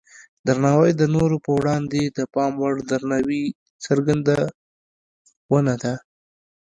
درناوی د نورو په وړاندې د پام وړ درناوي څرګندونه ده.